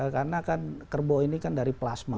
karena kan kerbau ini kan dari plasma